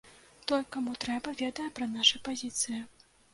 Той, каму трэба, ведае пра нашы пазіцыі.